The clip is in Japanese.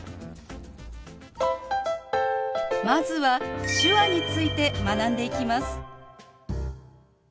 まずは手話について学んでいきます。